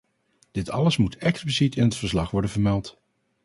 Dit alles moet expliciet in het verslag worden vermeld.